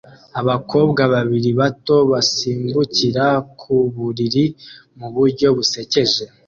Abakobwa babiri bato basimbukira ku buriri mu buryo busekeje